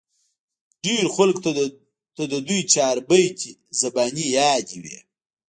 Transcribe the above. ډېرو خلقو ته د دوي چاربېتې زباني يادې وې